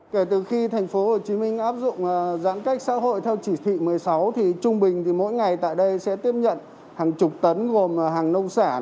kể từ khi tp hcm áp dụng giãn cách xã hội theo chỉ thị một mươi sáu thì trung bình thì mỗi ngày tại đây sẽ tiếp nhận hàng chục tấn gồm hàng nông sản